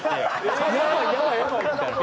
やばいやばいやばいみたいな。